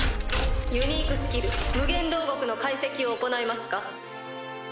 ユニークスキル無限牢獄の解析を行いますか？